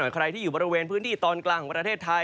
คนหน่อยคนหน่อยที่อยู่บริเวณพื้นที่ตอนกลางของประเทศไทย